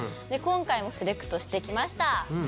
今回もセレクトしてきました。